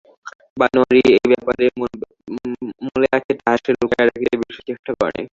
বনোয়ারি যে এই ব্যাপারের মূলে আছে তাহা সে লুকাইয়া রাখিতে বিশেষ চেষ্টা করে নাই।